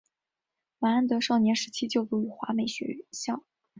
麻安德少年时期就读于华美学校。